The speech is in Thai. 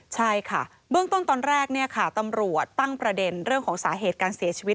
ใช่ค่ะเบื้องต้นตอนแรกเนี่ยค่ะตำรวจตั้งประเด็นเรื่องของสาเหตุการเสียชีวิต